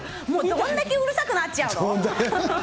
もう、どんだけうるさくなっちゃうの。